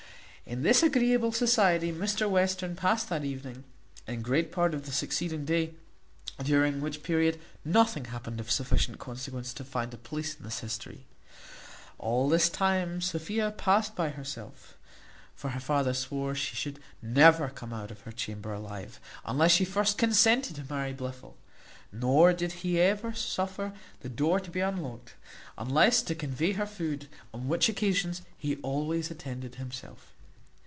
In this agreeable society Mr Western past that evening and great part of the succeeding day, during which period nothing happened of sufficient consequence to find a place in this history. All this time Sophia past by herself; for her father swore she should never come out of her chamber alive, unless she first consented to marry Blifil; nor did he ever suffer the door to be unlocked, unless to convey her food, on which occasions he always attended himself.